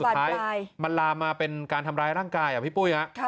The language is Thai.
ก็บาดปลายสุดท้ายมันลามมาเป็นการทำร้ายร่างกายอ่ะพี่ปุ้ยนะค่ะ